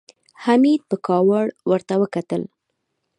حميد په کاوړ ورته وکتل.